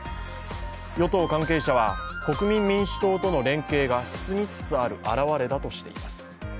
与党関係者は国民民主党との連携が進みつつある表れだとしています。